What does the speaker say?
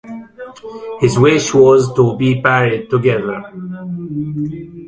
His wish was to be buried together.